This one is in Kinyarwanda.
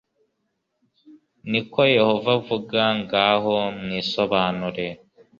ni ko yehova avuga ngaho nimwisobanure